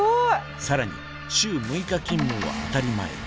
更に週６日勤務は当たり前。